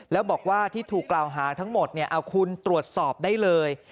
แล้วบอกว่าที่ถูกกล่าวหาทั้งหมดเอาคุณตรวจสอบได้เลย